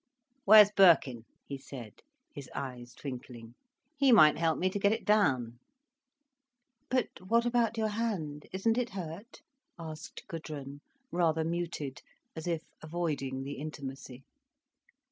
"Where's Birkin?" he said, his eyes twinkling. "He might help me to get it down." "But what about your hand? Isn't it hurt?" asked Gudrun, rather muted, as if avoiding the intimacy.